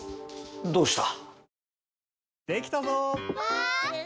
どうした？